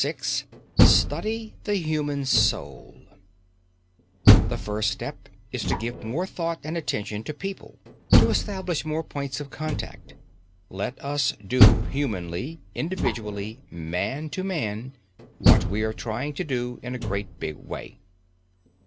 VI STUDY THE HUMAN SOUL The first step is to give more thought and attention to people, to establish more points of contact. Let us do humanly, individually, man to man, what we are trying to do in a great big way.